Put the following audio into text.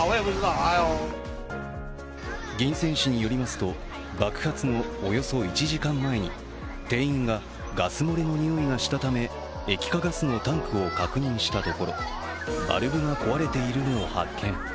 銀川市によりますと、爆発のおよそ１時間前に店員がガス漏れの臭いがしたため、液化ガスのタンクを確認したところバルブが壊れているのを発見。